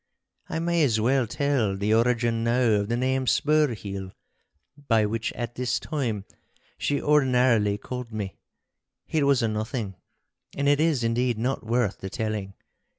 I may as well tell the origin now of the name 'Spurheel,' by which at this time she ordinarily called me. It was a nothing, and it is indeed not worth the telling.